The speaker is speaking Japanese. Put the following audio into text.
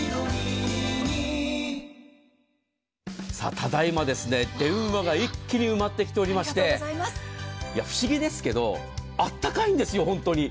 ただ今、電話が一気に埋まってきておりまして不思議ですけどあったかいんですよ、本当に。